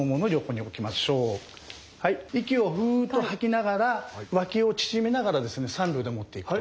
息をフーッと吐きながらわきを縮めながら３秒でもっていくと。